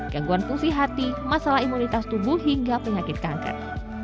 gangguan fungsi hati masalah imunitas tubuh hingga penyakit kanker